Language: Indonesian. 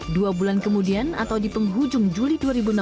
dua bulan kemudian atau di penghujung juli dua ribu enam belas